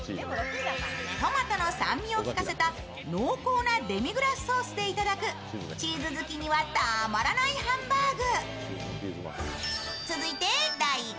トマトの酸味をきかせた濃厚なデミグラスソースでいただくチーズ好きにはたまらないハンバーグ。